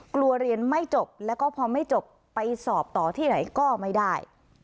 เรียนไม่จบแล้วก็พอไม่จบไปสอบต่อที่ไหนก็ไม่ได้